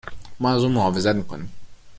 ما ازاون محافظت میکنیم